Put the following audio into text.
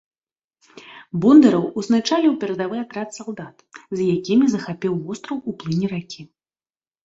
Бондараў ўзначаліў перадавы атрад салдат, з якімі захапіў востраў у плыні ракі.